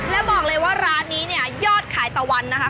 และบอกเลยว่าร้านนี้เนี่ยยอดขายตะวันนะคะ